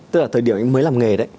tức là thời điểm anh mới làm nghề đấy